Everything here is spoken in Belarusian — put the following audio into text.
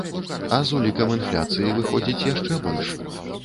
А з улікам інфляцыі, выходзіць, яшчэ больш.